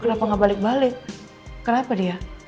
kenapa gak balik balik kenapa dia